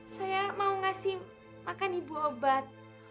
saya mau ngasih makan ibu obat